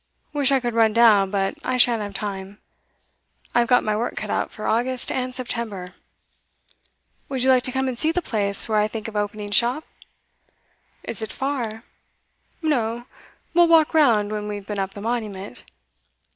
Wish I could run down, but I shan't have time. I've got my work cut out for August and September. Would you like to come and see the place where I think of opening shop?' 'Is it far?' 'No. We'll walk round when we've been up the Monument.